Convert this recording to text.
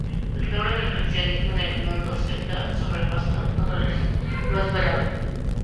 Los logros del cristianismo en el mundo celta sobrepasaron todo lo esperado.